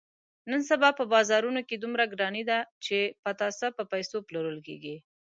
نن سبا په بازارونو کې دومره ګراني ده، چې پتاسه په پیسه پلورل کېږي.